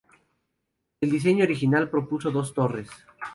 El diseño original propuso dos torres.